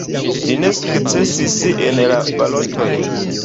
Li ne sukcesis en la balotoj.